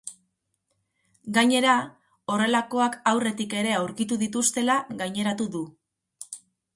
Gainera, horrelakoak aurretik ere aurkitu dituztela gaineratu du.